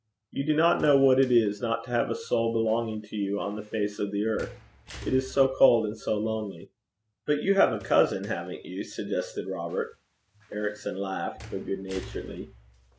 You do not know what it is not to have a soul belonging to you on the face of the earth. It is so cold and so lonely!' 'But you have a cousin, haven't you?' suggested Robert. Ericson laughed, but good naturedly.